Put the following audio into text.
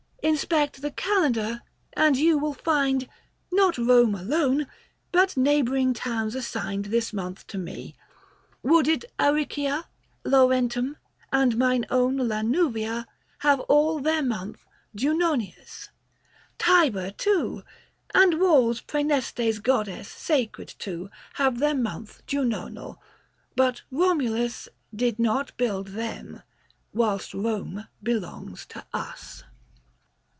Inspect the kalendar, and you will find Not Home alone, but neighbouring towns assigned This month to me. Wooded Aricia, Laurentum, and mine own Lanuvia 70 Have all their month Junonius. Tiber, too, And walls Praeneste's goddess sacred to, , Have their month Junonal ; but Komulus Did not build them : whilst Kome belongs to us."